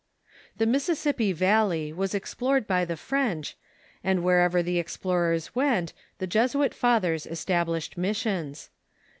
The Mississippi Valley was explored by the French, and wherever the explorers went the Jesuit fathers established missions.